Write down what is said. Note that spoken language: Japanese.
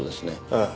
ああ。